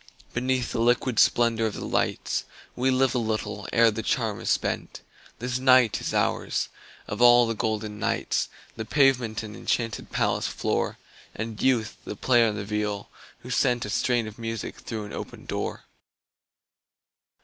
Beneath the liquid splendor of the lights We live a little ere the charm is spent; This night is ours, of all the golden nights, The pavement an enchanted palace floor, And Youth the player on the viol, who sent A strain of music through an open door.